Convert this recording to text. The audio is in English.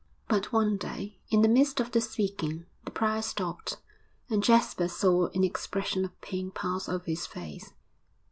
But one day, in the midst of the speaking, the prior stopped, and Jasper saw an expression of pain pass over his face.